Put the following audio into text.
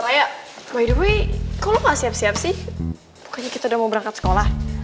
raya by the way kau nggak siap siap sih bukannya kita udah mau berangkat sekolah